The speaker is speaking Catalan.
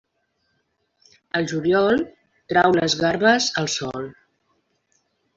Al juliol, trau les garbes al sol.